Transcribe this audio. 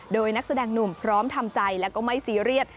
โดยนักแสดงหนุ่มพร้อมทำใจและก็ไม่ซีเรียส